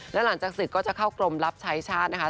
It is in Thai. และหลังจากศึกก็จะเข้ากรมรับใช้ชาตินะคะ